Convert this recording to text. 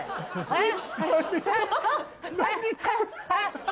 はい。